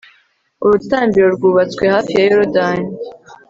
urutambiro rwubatswe hafi ya yorudani